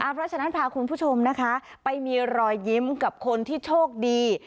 เพราะฉะนั้นพาคุณผู้ชมนะคะไปมีรอยยิ้มกับคนที่โชคดี